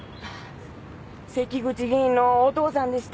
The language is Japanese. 関口議員のお父さんでした。